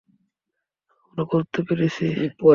আমরা করতে পেরেছি!